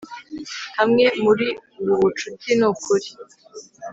Hamwe muri ubu bucuti nukuri